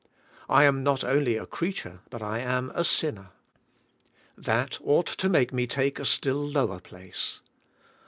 I am not only a creature but I am a sin ner. That ought to make me take a still lower place.